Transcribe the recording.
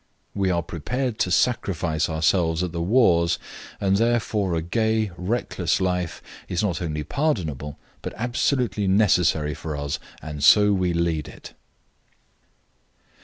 "We are prepared to sacrifice our lives at the wars, and therefore a gay, reckless life is not only pardonable, but absolutely necessary for us, and so we lead it."